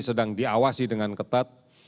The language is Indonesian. sedang diawasi dengan ketat